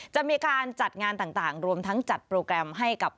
จะมีการจัดงานต่างรวมทั้งจัดโปรแกรมให้กับ